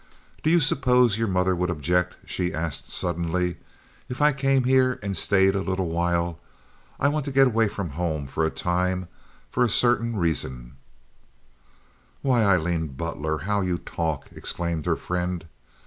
"Do you suppose your mother would object," she asked, suddenly, "if I came here and stayed a little while? I want to get away from home for a time for a certain reason." "Why, Aileen Butler, how you talk!" exclaimed her friend.